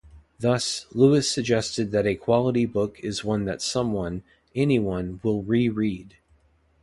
Thus, Lewis suggests that a quality book is one that someone, anyone will re-read.